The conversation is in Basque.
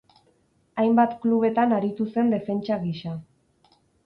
Hainbat klubetan aritu zen defentsa gisa.